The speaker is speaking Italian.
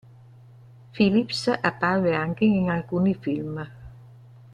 Philips apparve anche in alcuni film.